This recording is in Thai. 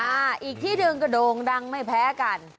อ่าอีกที่เดินกระโดงดังไม่แพ้กัน